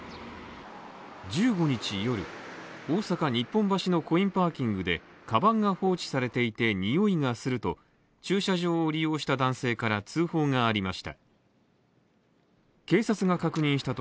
１５日夜大阪・日本橋のコインパーキングで、かばんが放置されていて、においがすると駐車場を利用した男性から通報がありました。